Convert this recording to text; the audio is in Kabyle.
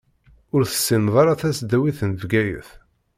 Ur tessineḍ ara tasdawit n Bgayet.